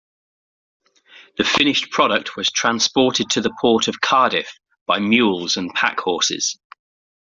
The finished product was transported to the port of Cardiff by mules and pack-horses.